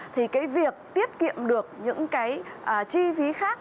thì cái việc tiết kiệm được những cái chi phí khác